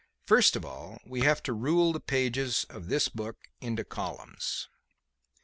First of all, we have to rule the pages of this book into columns."